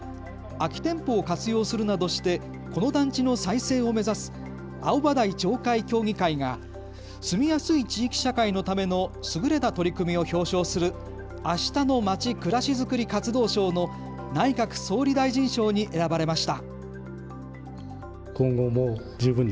空き店舗を活用するなどしてこの団地の再生を目指す青葉台町会協議会が住みやすい地域社会のための優れた取り組みを表彰するあしたのまち・くらしづくり活動賞の内閣総理大臣賞に選ばれました。